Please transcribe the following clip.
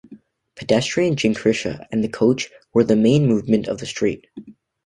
Pedestrian, Jinrikisha and coach were the main movement on the street.